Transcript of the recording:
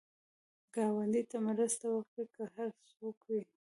ګاونډي ته مرسته وکړه، که هر څوک وي